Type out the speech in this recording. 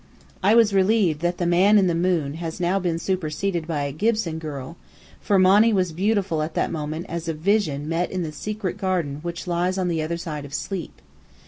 I was relieved that the Man in the Moon has now been superseded by a Gibson Girl; for Monny was beautiful at that moment as a vision met in the secret garden which lies on the other side of sleep.